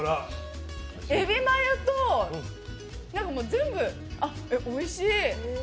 エビマヨと全部、あっ、おいしい。